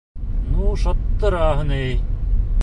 — Ну, шыттыраһың, әй!